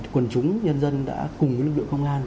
quần chúng nhân dân đã cùng với lực lượng công an